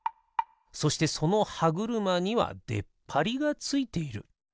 そしてそのはぐるまにはでっぱりがついている。